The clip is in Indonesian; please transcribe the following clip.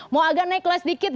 mau agak naik kelas sedikit